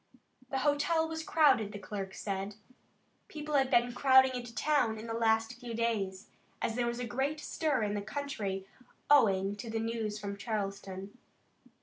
The hotel was crowded, the clerk said. People had been crowding into town in the last few days, as there was a great stir in the country owing to the news from Charleston.